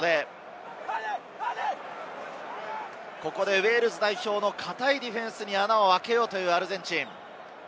ウェールズ代表の堅いディフェンスに穴を開けようというアルゼンチン。